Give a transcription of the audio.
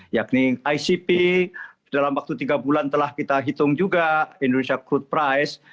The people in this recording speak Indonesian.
yakni icp dalam waktu tiga bulan telah kita hitung juga indonesia crude price